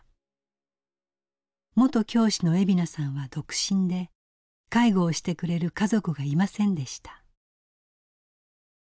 元教師の惠美奈さんは独身で介護をしてくれる家族がいませんでした。